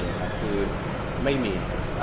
อ๋อทั้ง๒ฝั่งครับไม่มี